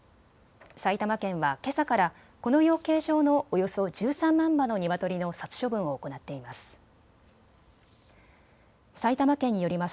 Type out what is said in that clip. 埼玉県はけさからこの養鶏場のおよそ１３万羽のニワトリの殺処分を行っています。